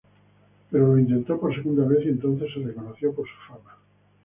Pero lo intentó por segunda vez y entonces se reconoció por su fama.